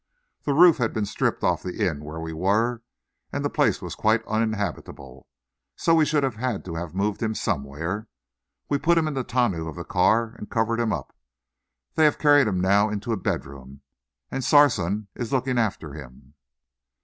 The roof had been stripped off the inn where we were, and the place was quite uninhabitable, so we should have had to have moved him somewhere. We put him in the tonneau of the car and covered him up. They have carried him now into a bedroom, and Sarson is looking after him."